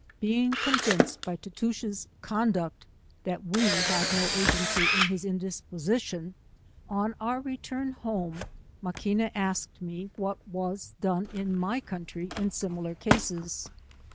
Being convinced by Tootoosch's conduct, that 132 we liaJ no agency in his indispositioo, od our re turn home, Maquina asked me what wfts done in my coantry in similar cases.